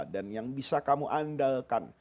dan yang bisa kamu andalkan